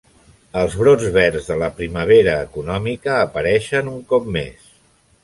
Els brots verds de la primavera econòmica apareixen un cop més.